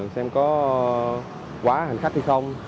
xem có quá hành khách hay không